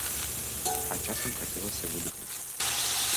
А часам хацелася выдыхнуць.